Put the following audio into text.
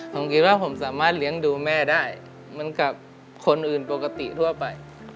ผมคิดว่าผมสามารถเลี้ยงดูแม่ได้เหมือนกับคนอื่นปกติทั่วไป